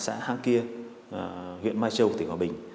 xã hàng kia huyện mai châu tỉnh hòa bình